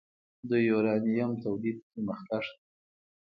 د یورانیم تولید کې مخکښ دی.